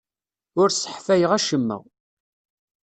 Ur sseḥfayeɣ acemma.